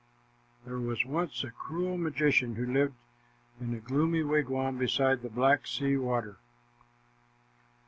There was once a cruel magician who lived in a gloomy wigwam beside the Black Sea Water.